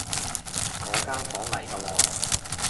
我間房嚟㗎喎